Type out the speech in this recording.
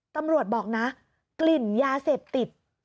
ตำรวจบอกนะกลิ่นยาเสพติด